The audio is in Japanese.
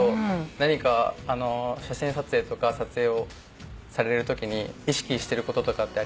何か写真撮影とか撮影をされるときに意識してることとかってありますか？